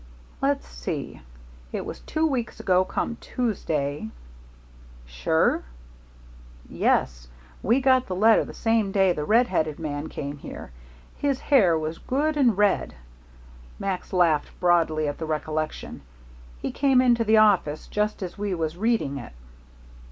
"Let's see. It was two weeks ago come Tuesday." "Sure?" "Yes. We got the letter the same day the red headed man came here. His hair was good and red." Max laughed broadly at the recollection. "He came into the office just as we was reading it."